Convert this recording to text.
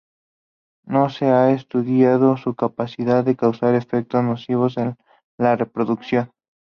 No se ha estudiado su capacidad de causar efectos nocivos a la reproducción.